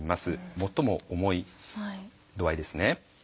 最も重い度合いですね。